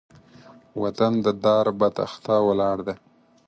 وطن د دار بۀ تخته ولاړ دی